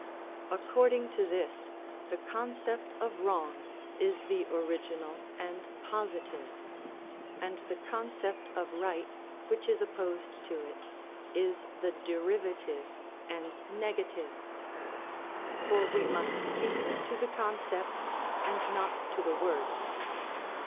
According to this, the concept of wrong is the original and positive, and the concept of right, which is opposed to it, is the derivative and negative; for we must keep to the concepts, and not to the words.